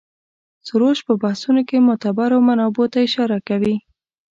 سروش په بحثونو کې معتبرو منابعو ته اشاره کوي.